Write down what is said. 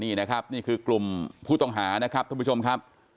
นี่นะครับนี่คือกลุ่มผู้ต้องหานะครับท่านผู้ชมครับ